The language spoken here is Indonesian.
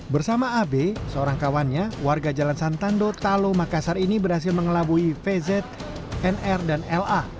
bersama ab seorang kawannya warga jalan santando talo makassar ini berhasil mengelabui vz nr dan la